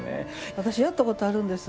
私やったことあるんです。